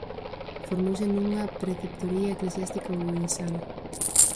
Formouse nunha preceptoría eclesiástica ourensana.